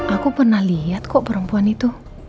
aku pernah lihat kok perempuan itu